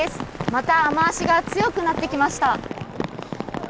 また雨足が強くなってきました。